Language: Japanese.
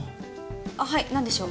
はい何でしょう？